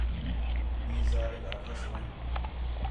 ٻئی ذالیک آکھاس وَن٘ڄ